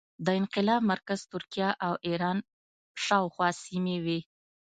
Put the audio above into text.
د انقلاب مرکز ترکیه او ایران شاوخوا سیمې وې.